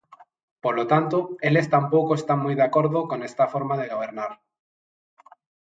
Polo tanto, eles tampouco están moi de acordo con esta forma de gobernar.